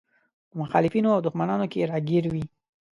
په مخالفينو او دښمنانو کې راګير وي.